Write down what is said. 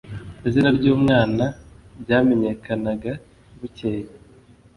Izina ry’umwana ryamenyekanaga bukeye